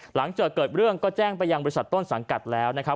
หลังจากเกิดเรื่องก็แจ้งไปยังบริษัทต้นสังกัดแล้วนะครับ